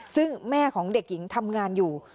ซึ่งแม่ของเด็กหญิงทำงานอยู่